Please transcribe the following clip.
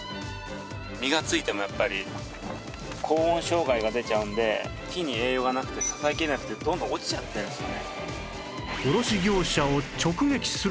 実がついてもやっぱり高温障害が出ちゃうんで木に栄養がなくて支えきれなくてどんどん落ちちゃってるんですよね。